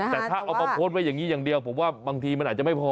แต่ถ้าเอามาโพสต์ไว้อย่างนี้อย่างเดียวผมว่าบางทีมันอาจจะไม่พอ